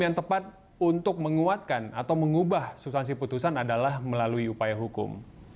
yang tepat untuk menguatkan atau mengubah substansi putusan adalah melalui upaya hukum